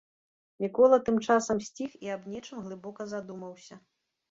Мікола тым часам сціх і аб нечым глыбока задумаўся.